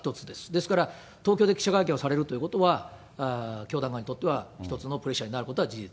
ですから、東京で記者会見されるということは、教団側にとっては、一つのプレッシャーになることは事実。